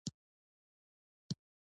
زه څلور قلمونه لرم.